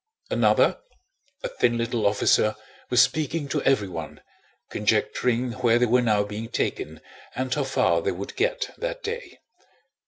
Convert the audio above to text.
Another, a thin little officer, was speaking to everyone, conjecturing where they were now being taken and how far they would get that day.